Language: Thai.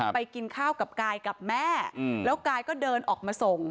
กินข้าวกับกายกับแม่แล้วกายก็เดินออกมาส่ง